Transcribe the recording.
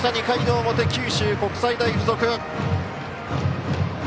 ２回の表、九州国際大付属！